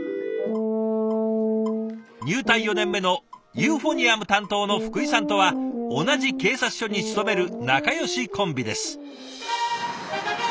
入隊４年目のユーフォニアム担当の福井さんとは同じ警察署に勤める仲よしコンビです。